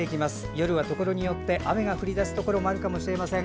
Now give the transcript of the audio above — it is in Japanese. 夜はところによって雨が降り出すところもあるかもしれません。